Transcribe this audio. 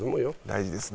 大事ですね。